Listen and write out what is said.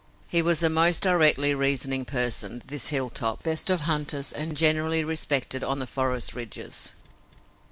He was a most directly reasoning person, this Hilltop, best of hunters and generally respected on the forest ridges.